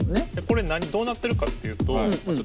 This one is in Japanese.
これどうなってるかっていうと。